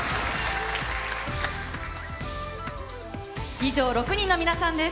以上６人の皆さんです。